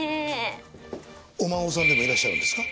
お孫さんでもいらっしゃるんですか？